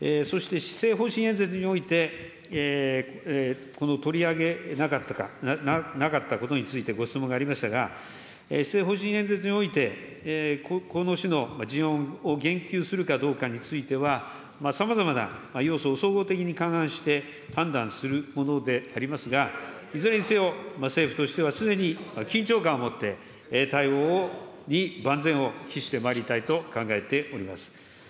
そして施政方針演説において、この取り上げなかったことについてご質問がありましたが、施政方針演説において、この種の事案を言及するかどうかについては、さまざまな要素を総合的に勘案して判断するものでありますが、いずれにせよ、政府としては常に緊張感を持って対応に万全を期してまいりたいと考えております。